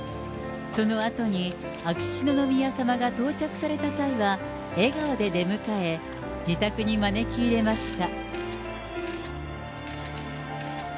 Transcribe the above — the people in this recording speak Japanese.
そのあとに、秋篠宮さまが到着された際は、笑顔で出迎え、自宅に招き入れました。